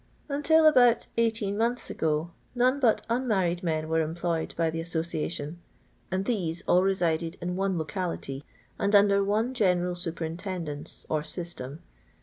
Until about eighteen months ago none but un married men were employed by the Association, and these all resided in one locality, and under one general superintendence or system.